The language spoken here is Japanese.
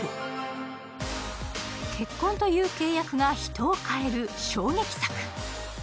結婚という契約が人を変える衝撃作。